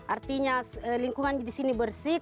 artinya lingkungan di sini bersih